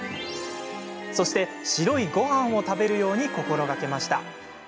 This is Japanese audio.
そして、白いごはんを食べるように心がけました。